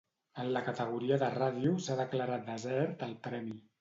En la categoria de ràdio, s'ha declarat desert el premi.